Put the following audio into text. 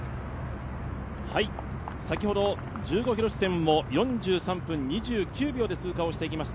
先ほど１５ｋｍ地点を４３分２９秒で通過してきました